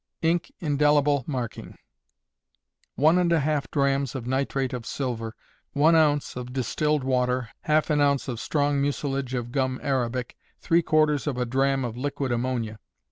Ink, Indelible Marking. One and a half drachms of nitrate of silver, one ounce of distilled water, half an ounce of strong mucilage of gum arabic, three quarters of a drachm of liquid ammonia.